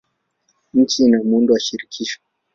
Nchi ina muundo wa shirikisho.